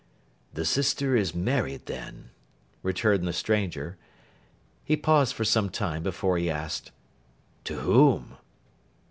'The sister is married then,' returned the stranger. He paused for some time before he asked, 'To whom?